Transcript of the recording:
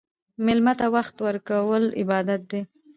مېلمه ته وخت ورکول عبادت دی.